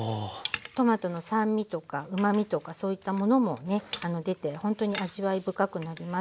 トマトの酸味とかうまみとかそういったものもね出てほんとに味わい深くなります。